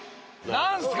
何すか？